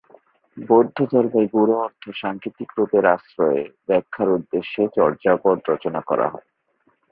বৌদ্ধ ধর্মের গূঢ় অর্থ সাংকেতিক রূপের আশ্রয়ে ব্যাখ্যার উদ্দেশ্যে চর্যাপদ রচনা করা হয়।